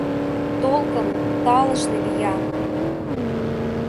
— Толкын, талышне виян!